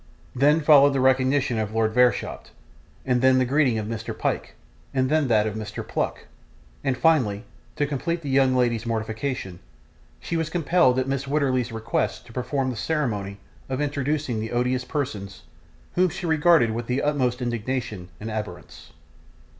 Then followed the recognition of Lord Verisopht, and then the greeting of Mr. Pyke, and then that of Mr Pluck, and finally, to complete the young lady's mortification, she was compelled at Mrs. Wititterly's request to perform the ceremony of introducing the odious persons, whom she regarded with the utmost indignation and abhorrence.